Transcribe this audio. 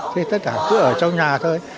thế tất cả cứ ở trong nhà thôi